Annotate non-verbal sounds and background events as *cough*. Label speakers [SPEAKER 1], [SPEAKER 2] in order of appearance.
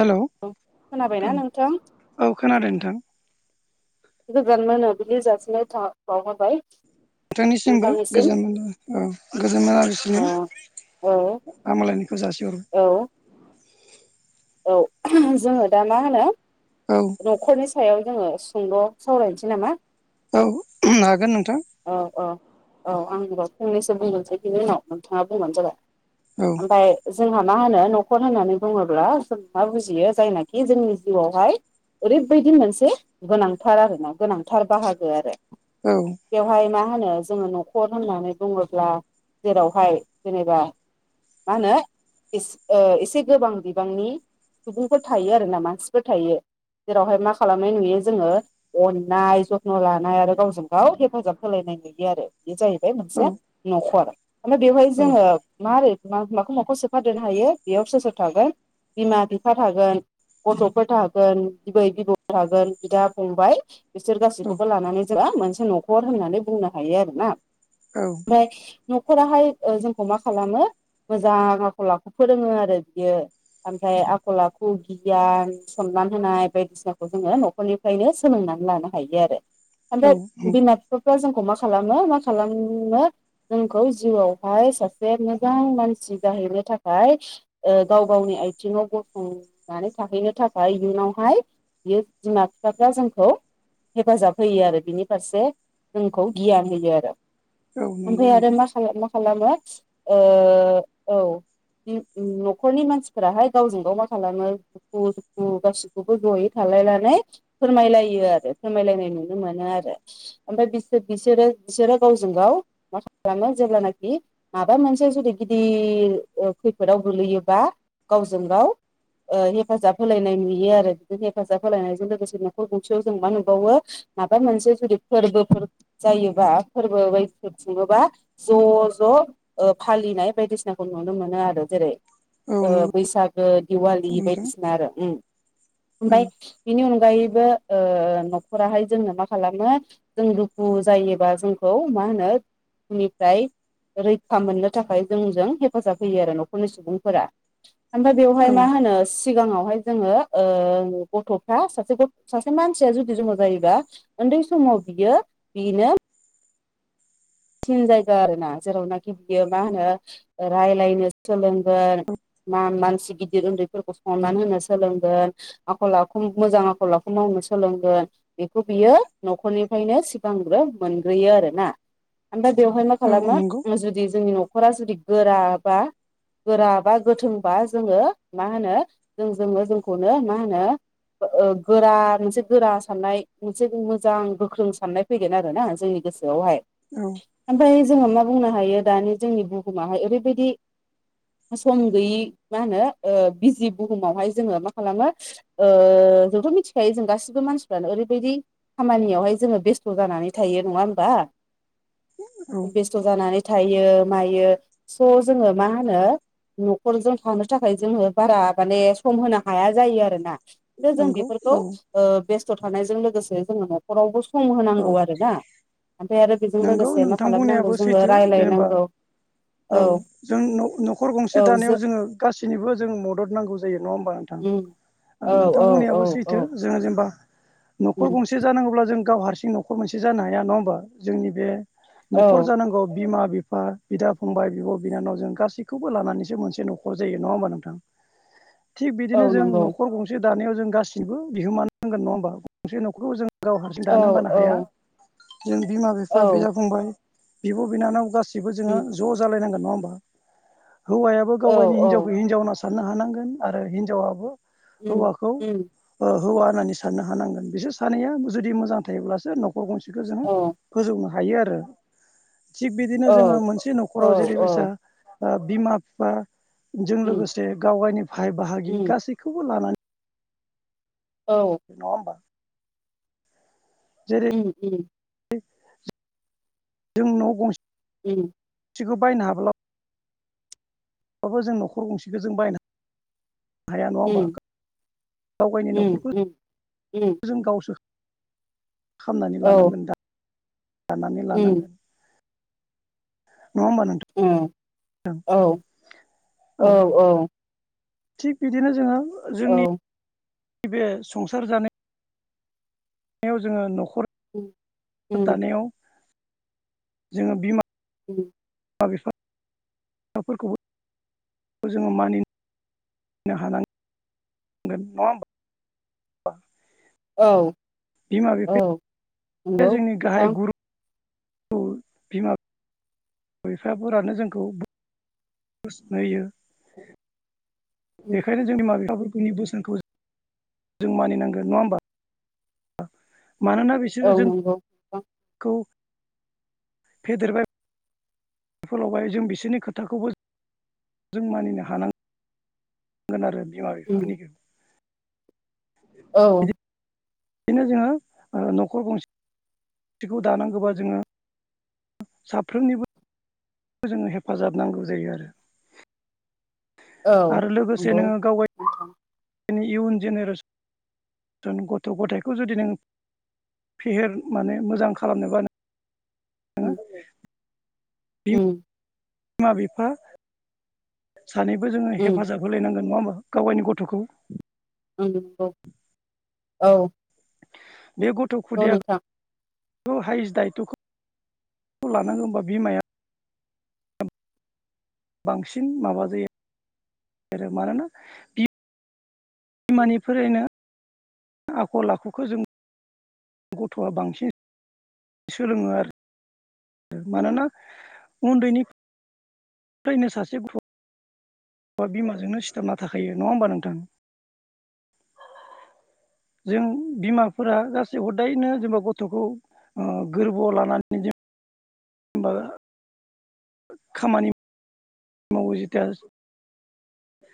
[SPEAKER 1] Hello
[SPEAKER 2] खोनाबायना
[SPEAKER 1] औ
[SPEAKER 2] नोंथां
[SPEAKER 1] औ खोनादों नोंथां।
[SPEAKER 2] गोजोन मोनाबिलि जासिनाय था बावहरबाय।
[SPEAKER 1] नोंथांनिसिमबो
[SPEAKER 2] नोंथांनिसिम
[SPEAKER 1] गोजोन मो गोजोन
[SPEAKER 2] ओ औ
[SPEAKER 1] *unintelligible* हामलायनायखौ जासिहरबाय।
[SPEAKER 2] औ औ जोङो दा मा होनो
[SPEAKER 1] औ
[SPEAKER 2] नखरनि सायाव जोङो सुंद' सावरायनोसै नामा?
[SPEAKER 1] औ उम हागोन नोंथां।
[SPEAKER 2] औ औ औ आं ओमबा फंनैसो बुंगोरनोसै बिनि उनाव नोंथांङा बुंबानो जाबाय।
[SPEAKER 1] औ
[SPEAKER 2] ओमफाय जोंहा मा होनो न'खर होननानै बुंङोब्ला जों मा बुजियो जायनाखि जोंनि जिउआवहाय ओरैबायदि मोनसे गोनांथार आरोना गोनांथार बाहागो आरो।
[SPEAKER 1] औ
[SPEAKER 2] बेयावहाय मा मा होनो जोंङो न'खर होननानै बुंङोब्ला जेरावहाय जेनेबा मा होनो इस ओ एसे गोबां बिबांनि सुबुंफोर थायो आरोना मानसिफोर थायो। जेरावहाय मा खालामनाय नुयो जोंङो अन्नाय जथन लानाय आरो गावजों गाव हेफाजाब हो होलायनाय नुयो आरो बे जाहैबाय
[SPEAKER 1] औ
[SPEAKER 2] मोनसे न'खर ओमफाय बेयावहाय जोंङो मारै मा माखौ माखौ सोफादेरनो हायो बेयाव सोर सोर थागोन बिमा बिफा थागोन गथ'फोर थागोन बिबै बिबौ थागोन बिदा फंबाय बिसोर गासैखौबो लानानै ज जोंङा मोनसे न'खर होननानै बुंनो हायो आरोना।
[SPEAKER 1] औ
[SPEAKER 2] ओमफाय न'खराहाय ओ जोंखौ मा खालामो मोजां आखल आखु फोरोंङो आरो बियो आमफाय आखल आखु गियान सनमान होनाय बायदिसिनाखौ जोंङो न'खरनिफायनो सोलोंनानै लानो हायो आरो।
[SPEAKER 1] औ
[SPEAKER 2] ओमफाय बिमा बिफाफ्रा जोंखौ मा खालामो मा खालामनो जोंखौ जिउआवहाय सासे मोजां मानसि जाहैनो थाखाय ओ गाव गावनि आइथिंङाव गसंनानै थाहैनो थाख खाय इयुनावहाय बियो बिमा बिफाफ्रा जोंखौ हेफाजाब होयो आरो बिनि फारसे जोंखौ गियान होयो आरो।
[SPEAKER 1] औ नंगौ
[SPEAKER 2] ओमफाय आरो
[SPEAKER 1] नोंथां
[SPEAKER 2] मा खाला खालामो ओ औ। उम्म उम् न'खरनि मानसिफोराहाय गावजों गाव मा खालामो दुखु सु खु गासिखौबो जयै थालायनानै फोरमायलायो आरो फोरमायलायनाय नुनो मोनो आरो। ओमफाय बिसो बिसोरो बिसोरो गावजों गाव मा खालामो जेब्लानाखि माबा मोनसे जुदि गिदिर ओ खैफोदाव गोलैयोबा गावजों गाव ओ हेफाजाब होलायनाय नुयो आरो बिदि हेफाजाब होलायनायजों लोगोसे न'खर गंसेयाव जों मा नुबावो माबा मोनसे जुदि फोरबोफोर जायोबा फोरबो बायदिफोर खुंङोबा ज' ज' ओ फाल लिनाय बायदिसनाखौ नुनो मोनो आरो जेरै
[SPEAKER 1] औ
[SPEAKER 2] ओ
[SPEAKER 1] नंगौ
[SPEAKER 2] बैसागो दिवाललि
[SPEAKER 1] नोंथां
[SPEAKER 2] बायदिसिना आरो उम ओमफाय
[SPEAKER 1] औ
[SPEAKER 2] बेनि उन *unintelligible* *unintelligible* गायैबो ओ न'खराहाय जोंनो मा खालामो जों दुखु जायोबा जोंखौ मा मा होनो दुखुनिफ्राय रैखा मोननो थाखाय जोंजों हेफाजाब होयो आरो न'खरनि सुबुंफोरा आमफाय बेयावहाय
[SPEAKER 1] औ
[SPEAKER 2] मा होनो सिगांङावहाय जोंङो ओ गथ'फ्रा सासे गथ मानसिया जुदि जन्म जायोबा ओन्दै समाव बियो बिनो थिन जायगा आरोना जेरावनाखि बियो मा होनो ओ रायलायनो सोलों गोन मा मानस गि गिदिर ओन्दैफोरखौ सनमान होनो सोलोंगोन आखल आखु मोजां आखल आखु मावनो सोलोंगोन। बेखौ बियो न'खरनिफायनो सिगांग्रो मोनग्रोयो आरोना। ओमफाय बेयावहाय मा
[SPEAKER 1] औ
[SPEAKER 2] खालामो
[SPEAKER 1] नंगौ
[SPEAKER 2] *unintelligible* जुदि जोंनि न'खरा जुदि गोराबा गोरा बा गोथोंबा जोंङो मा होनो जों जोंङो जोंखौनो मा होनो ओ ओ गोरा मोनसे गोरा साननाय मोनसे मोजां गोख्रों साननाय फैगोन आरो ना जोंनि। गोसोआवहाय
[SPEAKER 1] औ
[SPEAKER 2] ओमफाय जोंङो मा बुंनो हायो दानि जोंनि बुहुमाहाय ओरैबायदि सम गैयि मा होनो ओ बिजि बुहुमावहाय जोंङो मा खालामो ओ ओ जोंथ' मिनथिखायो जों गासिबो मानसिफ्रानो ओरैबायदि खामानियावहाय जोंङो बेस्थ जानानै थायो नंङा होमबा
[SPEAKER 1] *inaudible* औ
[SPEAKER 2] बेस्थ जानानै थायो मायो स' जोंङो मा होनो न'खरजों थानो थाखाय जोंङो बारा माने सम होनो हाया जायो आरो ना। नो जों
[SPEAKER 1] नंगौ
[SPEAKER 2] बेफोरखौ
[SPEAKER 1] औ
[SPEAKER 2] ओ बेस्थ' थानायजों लोगोसे जोंङो न'खरावबो स सम
[SPEAKER 1] औ
[SPEAKER 2] होनांगौ आरोना ओमफाय आरो बेजों लोगोस
[SPEAKER 1] थां बुंनायाबो सैथो जेनेबा औ जों न' न'खर गंसे
[SPEAKER 2] औ
[SPEAKER 1] दानायाव
[SPEAKER 2] जों
[SPEAKER 1] जोङो गासैनिबो जों मदद नांगौ जायो। नङा होमबा नोंथां
[SPEAKER 2] उम
[SPEAKER 1] ओ
[SPEAKER 2] औ
[SPEAKER 1] नोंथां
[SPEAKER 2] औ औ
[SPEAKER 1] बुंनायाबो
[SPEAKER 2] औ
[SPEAKER 1] सैथो जोङो जेनेबा न'खर
[SPEAKER 2] उम
[SPEAKER 1] गंसे जानांगौब्ला जों गाव हारसिं न'खर मोनसे जानो हाया नङा होमबा जोंनि बे
[SPEAKER 2] औ
[SPEAKER 1] न'खर जानांगौ बिमा बिफा बिदा फंबाय बिब' बिनानावजों गासैखौबो लानानैसो मोनसे न'खर जायो नङा होमबा नोंथां *unintelligible* थिग बिदिनो
[SPEAKER 2] औ
[SPEAKER 1] जों
[SPEAKER 2] नंगौ
[SPEAKER 1] न'खर गंसे दानायाव जों गासिनोबो बिहोमा नांगोन नङा होमब गंसे न'खौ जों गाव हारसिं
[SPEAKER 2] औ
[SPEAKER 1] दानो बानो
[SPEAKER 2] औ
[SPEAKER 1] हाया जों बिमा बिफा
[SPEAKER 2] औ
[SPEAKER 1] बिदा फंबाय बिब' बिनानाव गाससिबो जोङो ज' जालायनांगोन नङा होमबा हौवायाबो गाव
[SPEAKER 2] औ
[SPEAKER 1] गावनि हिनजावखौ
[SPEAKER 2] औ
[SPEAKER 1] हिनजावना साननो हानांगोन आरो हिनजावाबो
[SPEAKER 2] उम
[SPEAKER 1] हौवाखौ
[SPEAKER 2] उम
[SPEAKER 1] हौवा होननानै साननो हानांगोन बिसोर सानैया जुदि मोजां थायोब्लासो न'खर गंसेखौ जोङो
[SPEAKER 2] औ
[SPEAKER 1] फोजौनो हायो आरो थिग बिदिनो जोङो
[SPEAKER 2] औ
[SPEAKER 1] मोनसे
[SPEAKER 2] औ
[SPEAKER 1] न'खराव
[SPEAKER 2] औ
[SPEAKER 1] जेरैबायसा बिमा बिफ जों
[SPEAKER 2] उम
[SPEAKER 1] लोगोसे गाव गायनि भाहाय बाहागि
[SPEAKER 2] उम
[SPEAKER 1] गासैखौबो लानानै
[SPEAKER 2] औ
[SPEAKER 1] नङा होमबा जेरै
[SPEAKER 2] उम उम
[SPEAKER 1] जों न' गंसे
[SPEAKER 2] उम
[SPEAKER 1] सिखौ बायनो हाब्ला माबबो जों न'खर गंसेखौ जों बायनो ह हाया नङा होमबा
[SPEAKER 2] उम
[SPEAKER 1] गाव गावनि
[SPEAKER 2] उम उम
[SPEAKER 1] न'खरखौ
[SPEAKER 2] उम उम
[SPEAKER 1] जों गावसो खालामामनानै
[SPEAKER 2] औ
[SPEAKER 1] लानांगोन दा दानानै
[SPEAKER 2] उम
[SPEAKER 1] लानांगोन नङा होमबा
[SPEAKER 2] उम
[SPEAKER 1] नोंथां
[SPEAKER 2] औ
[SPEAKER 1] औ थिग बिदिनो जोङो
[SPEAKER 2] औ
[SPEAKER 1] नैबे संसार जानाय जोङो न'खर
[SPEAKER 2] उम उम
[SPEAKER 1] दानायाव जोङो बिमा
[SPEAKER 2] उम
[SPEAKER 1] दा बेसांसाफोरखौबो बे जोङो मानिनो हानांगोन नंआ ओम
[SPEAKER 2] औ
[SPEAKER 1] बिमा
[SPEAKER 2] औ
[SPEAKER 1] बिफाया
[SPEAKER 2] नंगौ
[SPEAKER 1] जोंनि गाहाय
[SPEAKER 2] नोंथां
[SPEAKER 1] गुरु बिमा बिफाफोरानो जोंखौ बोसोन होयो
[SPEAKER 2] उम
[SPEAKER 1] बेखायनो जों बिमा बिफाफोर जोंनि बोसोनखौ जों मानिनांगोन नङा होमबा मानोना
[SPEAKER 2] औ
[SPEAKER 1] बिसोरो
[SPEAKER 2] नंगौ नोंथां
[SPEAKER 1] जोंखौ फेदेरबाय बेफोरावहाय जों बिसोरनि खोथाखौबो जों मानिनो हानांगा नांगोन आरो बिमा
[SPEAKER 2] उम
[SPEAKER 1] बिफा निखौ
[SPEAKER 2] औ
[SPEAKER 1] बिदिनो जोङो न'खर गंसेखौ दानांगौबा जोङो साफ्रोमनिबो जोङो हेफाजाब नांगौ जायो आरो
[SPEAKER 2] औ
[SPEAKER 1] आरो लोगोसे
[SPEAKER 2] नंगौ
[SPEAKER 1] नोङो
[SPEAKER 2] नोंथां
[SPEAKER 1] गावनि इयुन जेनेरेसन ज गथ' गथायाइखौ जुदि नों फेहेर माने मोजां खालामनोबा नोङो
[SPEAKER 2] *inaudible* उम
[SPEAKER 1] बिमा बिफा सानैबो जोङो
[SPEAKER 2] उम
[SPEAKER 1] हेफाजाब होलायनांगोन नङा होमबा गावगायनि गथ'खौ
[SPEAKER 2] औ औ
[SPEAKER 1] बे गथ' खुदिया बेखौ हायस दायथ'खौ लानांगौ होमबा बिमाया बांसिन माबा जायो आरो मानोना बिमानिफ्रायनो आखल आखुखौ जों गथ'आ बांसिन सोलोङो आरोख मानोना उन्दैनि फ्रायनो सासे *unintelligible* बा बिमाजोंनो सिथाबना थाखायो नङा होमबा नोंथां जों बिमाफोरा गासै हरदायैनो जेनेबा गथ'खौ ओ गोरबोआव लानानै जों *unintelligible* खामानि मावो जेथिया